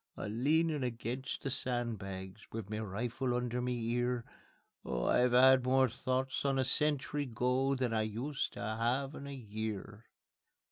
_ A leanin' against the sandbags Wiv me rifle under me ear, Oh, I've 'ad more thoughts on a sentry go Than I used to 'ave in a year.